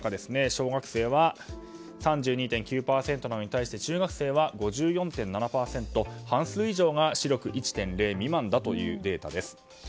小学生は３２．９％なのに対し中学生は５４．７％と半数以上が視力１．０未満というデータです。